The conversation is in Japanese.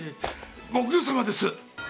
ご苦労さまです！